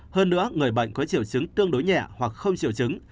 hơn nữa người bệnh có triệu chứng tương đối nhẹ hoặc không triệu chứng